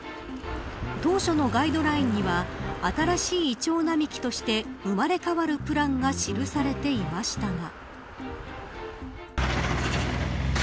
当初のガイドラインには新しいイチョウ並木として生まれ変わるプランが示されていましたが。